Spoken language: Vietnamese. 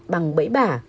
bằng bẫy bả